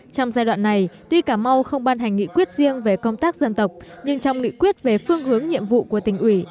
trong giai đoạn này tuy cà mau không ban hành nghị quyết riêng về công tác dân tộc nhưng trong nghị quyết về phương hướng nhiệm vụ của tỉnh ủy